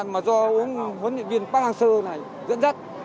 mà do huấn luyện viên park hang seo này dẫn dắt